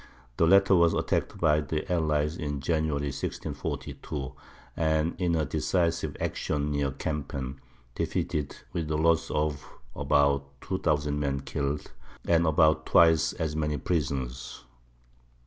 The latter was attacked by the allies in January, 1642, and in a decisive action near Kempen, defeated, with the loss of about 2000 men killed, and about twice as many prisoners.